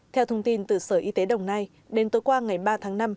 theo thông tin từ sở y tế đồng nai đến tối qua ngày ba tháng năm